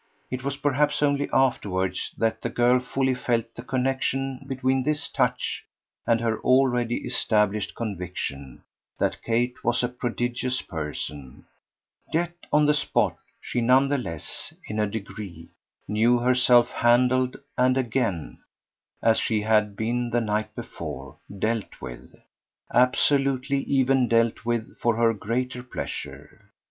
It was perhaps only afterwards that the girl fully felt the connexion between this touch and her already established conviction that Kate was a prodigious person; yet on the spot she none the less, in a degree, knew herself handled and again, as she had been the night before, dealt with absolutely even dealt with for her greater pleasure.